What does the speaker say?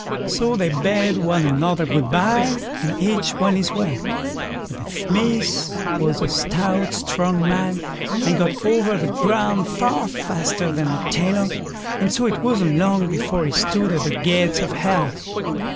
So they bade one another "Good bye", and each went his way; but the Smith was a stout, strong man, and got over the ground far faster than the tailor, and so it wasn't long before he stood at the gates of Hell.